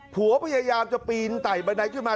พยายามจะปีนไต่บันไดขึ้นมา